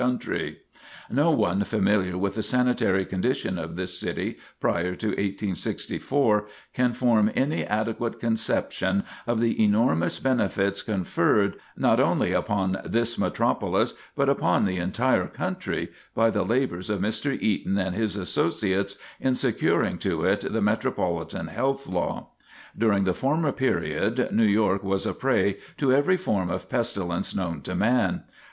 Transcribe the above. [Sidenote: The Regeneration of New York] No one unfamiliar with the sanitary condition of this city prior to 1864 can form any adequate conception of the enormous benefits conferred, not only upon this metropolis, but upon the entire country, by the labors of Mr. Eaton and his associates in securing to it the Metropolitan Health Law. During the former period New York was a prey to every form of pestilence known to man.